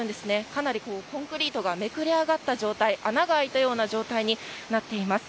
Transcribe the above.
かなりコンクリートがめくれ上がった状態穴が開いたような状態になっています。